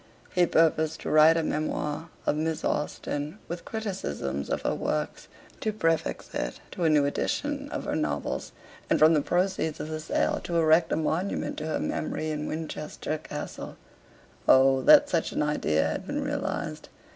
He purposed to write a memoir of Miss Austen, with criticisms on her works, to prefix it to a new edition of her novels, and from the proceeds of the sale to erect a monument to her memory in Winchester Cathedral. Oh! that such an idea had been realised!